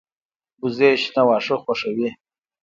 وزې شنه واښه خوښوي